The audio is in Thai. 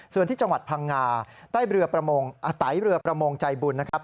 ส่วนที่จังหวัดพังงาใต้เบลือประมงใจบุญนะครับ